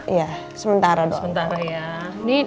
iya sementara doang